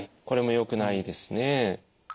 これもよくないですね。